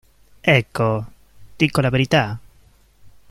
Ecco, dico la verità.